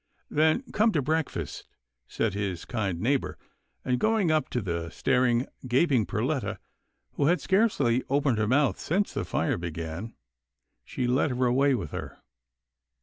" Then come to breakfast," said his kind neigh bour, and, going up to the staring, gaping Perletta, who had scarcely opened her mouth since the fire began, she led her away with her.